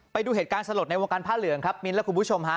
ไปดูเหตุการณ์สลดในวงการผ้าเหลืองครับมิ้นและคุณผู้ชมฮะ